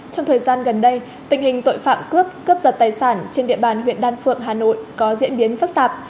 trong thời gian gần đây tình hình tội phạm cướp cướp giật tài sản trên địa bàn huyện đan phượng hà nội có diễn biến phức tạp